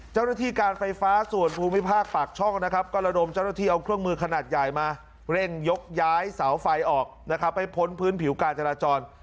เจ้าหน้าที่การไฟฟ้าส่วนภูมิภาคปากช่องนะครับก็ระดมเจ้าหน้าที่เอาเครื่องมือขนาดใหญ่มาเร่งยกย้ายเสาไฟออกนะครับให้พ้นพื้นผิวการจราจร